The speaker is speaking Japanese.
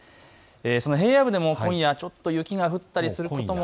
平野部でも今夜ちょっと雪が降ったりすることも。